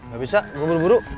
gak bisa gua buru buru